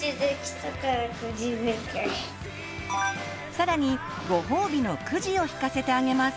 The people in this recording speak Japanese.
さらにご褒美のくじを引かせてあげます。